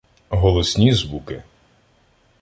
Голосні звуки